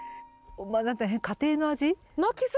家庭の味？